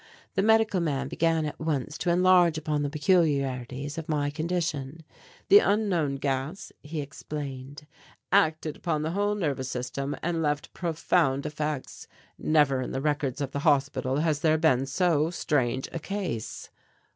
The medical man began at once to enlarge upon the peculiarities of my condition. "The unknown gas," he explained, "acted upon the whole nervous system and left profound effects. Never in the records of the hospital has there been so strange a case."